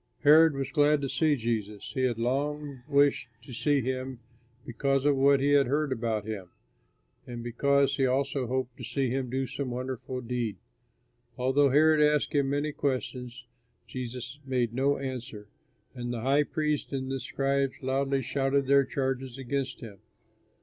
Herod was glad to see Jesus. He had long wished to see him because of what he had heard about him, and because he also hoped to see him do some wonderful deed. Although Herod asked him many questions, Jesus made no answer, and the high priests and the scribes loudly shouted their charges against him.